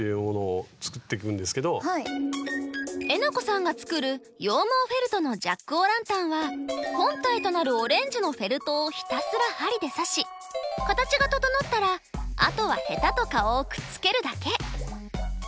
えなこさんが作る羊毛フェルトのジャック・オ・ランタンは本体となるオレンジのフェルトをひたすら針で刺し形が整ったらあとはヘタと顔をくっつけるだけ。